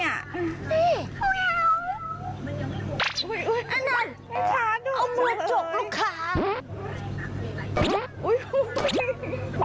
อันนั้นเอามือจกลูกค้า